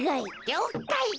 りょうかい。